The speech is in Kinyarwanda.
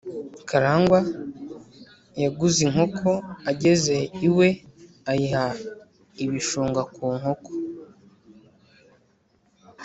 Karangwa yaguze inkoko, ageze i we ayiha ibishunga ku nkoko,